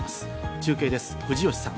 中継です、藤吉さん。